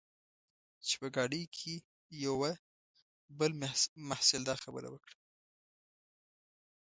چې په ګاډۍ کې یوه بل محصل دا خبره وکړه.